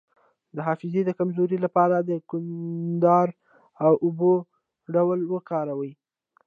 د حافظې د کمزوری لپاره د کندر او اوبو ګډول وکاروئ